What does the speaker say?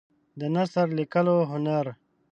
د نثر لیکلو هنر